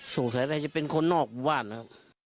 สงสัยว่าจะเป็นคนนอกบ้านนะครับ